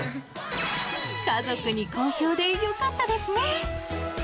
家族に好評でよかったですね。